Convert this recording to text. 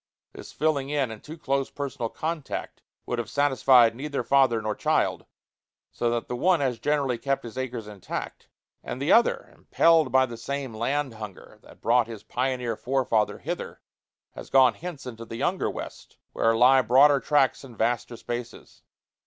This filling in and too close personal contact would have satisfied neither father nor child, so that the one has generally kept his acres intact, and the other, impelled by the same land hunger that brought his pioneer forefather hither, has gone hence into the younger West, where lie broader tracts and vaster spaces.